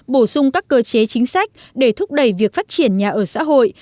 bổ sung các cơ chế chính sách để thúc đẩy việc phát triển nhà ở xã hội